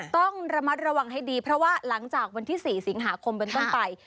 ต้องระมัดระวังให้ดีเพราะว่าหลังจากวันที่๔สิงหาคมเป็นต้นไป